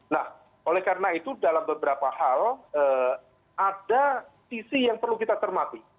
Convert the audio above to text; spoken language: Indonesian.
nah oleh karena itu dalam beberapa hal ada sisi yang perlu kita termati